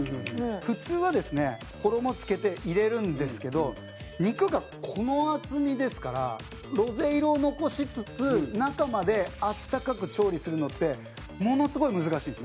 普通はですね衣つけて入れるんですけど肉が、この厚みですからロゼ色を残しつつ中まで、温かく調理するのってものすごい難しいんです。